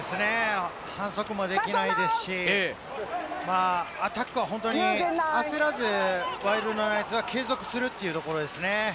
反則もできないですし、アタックは本当に焦らずワイルドナイツは継続するというところですね。